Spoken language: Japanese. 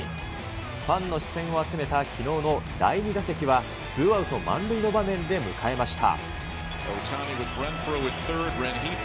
ファンの視線を集めたきのうの第２打席は、ツーアウト満塁の場面で迎えました。